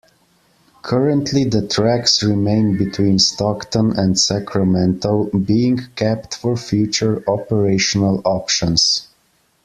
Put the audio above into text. Currently the tracks remain between Stockton and Sacramento, being kept for future operational options.